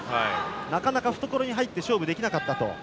なかなか懐に入って勝負できなかったと。